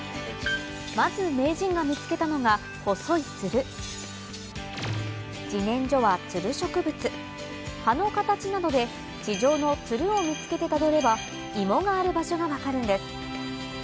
まず名人が見つけたのが細いつる自然薯はつる植物葉の形などで地上のつるを見つけてたどればイモがある場所が分かるんです